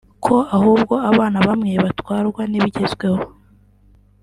ko ahubwo abana bamwe batwarwa n’ibigezweho